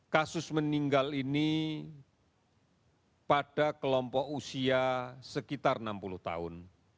kasus meninggal ini pada kelompok usia sekitar enam puluh tahun